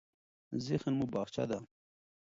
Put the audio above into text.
ذهن مو باغچه ده.